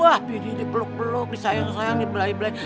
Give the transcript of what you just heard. wah bininya dipeluk peluk disayang sayang dipelai pelai